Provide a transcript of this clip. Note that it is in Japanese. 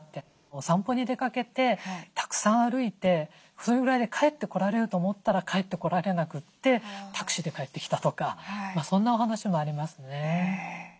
お散歩に出かけてたくさん歩いてそれぐらいで帰ってこられると思ったら帰ってこられなくてタクシーで帰ってきたとかそんなお話もありますね。